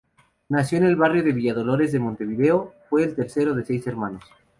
Nació en el barrio Villa Dolores de Montevideo; fue el tercero de seis hermanos.